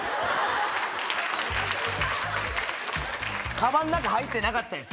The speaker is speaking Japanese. カバンの中入ってなかったです。